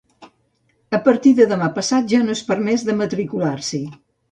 A partir de demà passat ja no és permès de matricular-s'hi.